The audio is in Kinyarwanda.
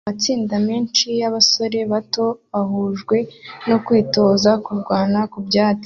Amatsinda menshi yabasore bato bahujwe no kwitoza kurwana ku byatsi